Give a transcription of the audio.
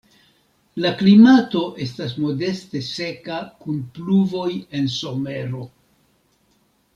La klimato estas modeste seka kun pluvoj en somero.